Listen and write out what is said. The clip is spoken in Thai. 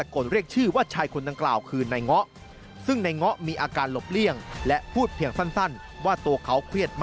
เก็บที่ดีช่วยให้ด้วย